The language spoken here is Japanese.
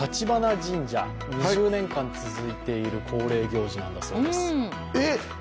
神社２０年間続いている恒例行事なんだそうです。